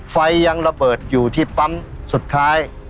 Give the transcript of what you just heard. ไฟยังระเบิดอยู่ที่ปั๊มสุดท้าย